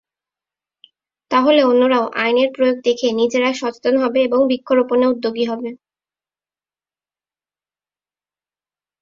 তাহলে অন্যরাও আইনের প্রয়োগ দেখে নিজেরা সচেতন হবে এবং বৃক্ষরোপনে উদ্যোগী হবে।